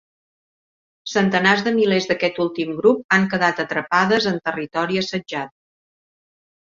Centenars de milers d'aquest últim grup han quedat atrapades en territori assetjat.